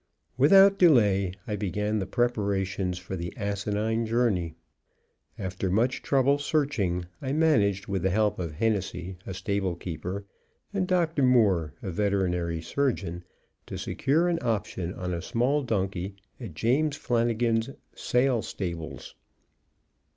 Without delay I began the preparations for the asinine journey. After much troublesome searching, I managed with the help of Hennessy, a stable keeper, and Dr. Moore, a veterinary surgeon, to secure an option on a small donkey at James Flanagan's sale stables.